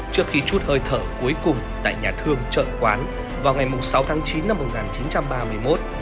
trước khi chút hơi thở cuối cùng tại nhà thương trợ quán vào ngày sáu tháng chín năm một nghìn chín trăm ba mươi một